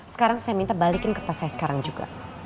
sekarang saya minta balikin kertas saya sekarang juga